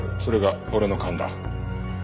それが俺の勘だ。